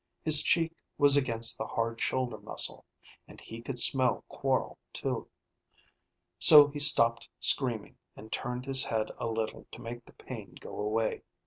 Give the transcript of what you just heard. His cheek was against the hard shoulder muscle, and he could smell Quorl too. So he stopped screaming and turned his head a little to make the pain go away.